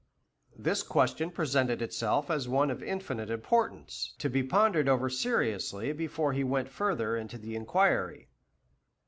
This question presented itself as one of infinite importance, to be pondered over seriously before he went further into the inquiry.